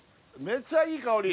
めっちゃいい香り。